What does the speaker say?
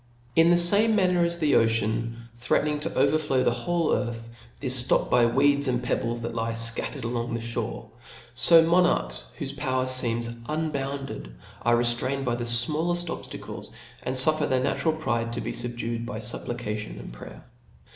In the fame manner as the ocean, threatening to overflow the whole earth, is (lopped by weeds and pebbles that lie fcattered along the ihore ; fo monarchs, whofe power feems unbounded, are re itrained by the fmalleft obftacles, and fufSsr their natural pride to be fubdued by fupplication and prayer.